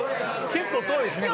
結構遠いですね。